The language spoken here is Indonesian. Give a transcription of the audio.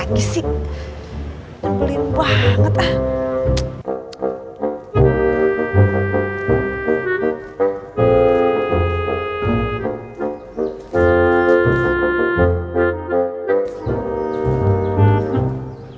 gak lagi sih ngebelin banget ah